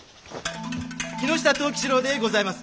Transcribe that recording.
木下藤吉郎でございます。